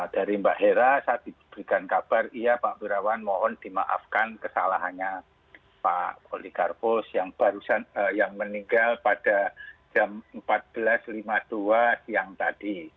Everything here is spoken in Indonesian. dari mbak hera saat diberikan kabar iya pak berawan mohon dimaafkan kesalahannya pak polikarpus yang meninggal pada jam empat belas lima puluh dua siang tadi